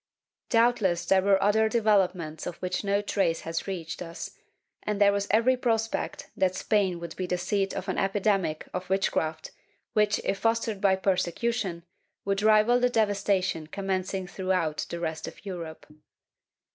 ^ Doubtless there were other developments of which no trace has reached us, and there was every prospect that Spain would be the seat of an epidemic of witchcraft which, if fostered by persecution, would rival the devastation commencing throughout the rest of Europe.